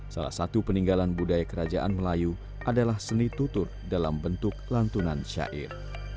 salah satu peninggalan budaya kerajaan melayu adalah seni tutur dalam bentuk lantunan syair